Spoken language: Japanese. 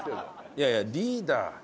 いやいやリーダー。